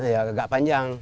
iya agak panjang